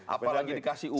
apalagi dikasih uang